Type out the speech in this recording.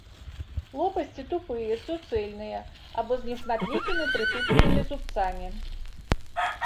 Лопасці тупыя, суцэльныя або з нешматлікімі прытупленым зубцамі.